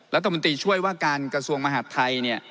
และต่อมินติช่วยว่าการกระทรวงมหาธัย